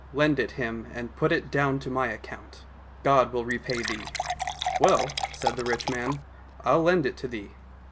lend it him, and put it down to my account. God will repay thee !"—*' Well," said the rich man, " I'll lend it to thee."